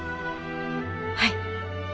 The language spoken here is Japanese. はい。